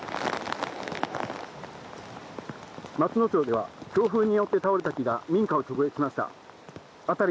松野町では強風によって倒れた木が民家を直撃しました。